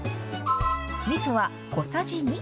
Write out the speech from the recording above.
みそは小さじ２。